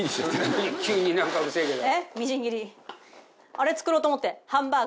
あれ作ろうと思ってハンバーグ。